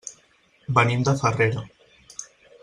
Venim de Farrera.